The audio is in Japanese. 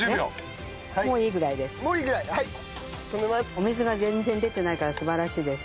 お水が全然出てないから素晴らしいです。